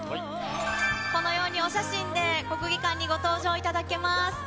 このようにお写真で、国技館にご登場いただけます。